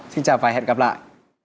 xin chào và hẹn gặp lại